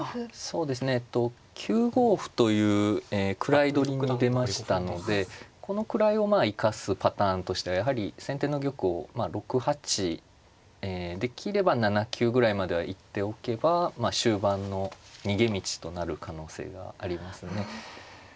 そうですね９五歩という位取りに出ましたのでこの位をまあ生かすパターンとしてはやはり先手の玉を６八できれば７九ぐらいまでは行っておけば終盤の逃げ道となる可能性がありますね。